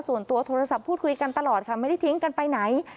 ส่วนตัวโทรศัพท์พูดคุยกันตลอดค่ะไม่ได้ทิ้งกันไปไหน